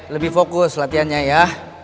lebih fokus latihannya ya